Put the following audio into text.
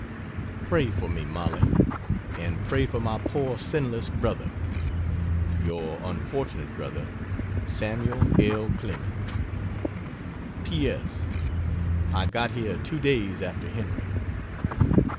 Pray for me, Mollie, and pray for my poor sinless brother. Your unfortunate Brother, SAML. L. CLEMENS. P. S. I got here two days after Henry.